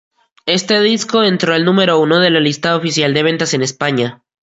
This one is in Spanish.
Este disco entró al número uno de la lista oficial de ventas en España.